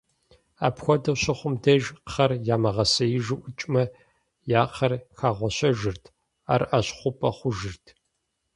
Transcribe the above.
Апхуэдэу щыхъум деж, кхъэр ямыгъэсеижу ӀукӀмэ, я кхъэр хэгъуэщэжырт, ар Ӏэщ хъупӀэ хъужырт.